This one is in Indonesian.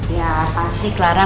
ya pasti clara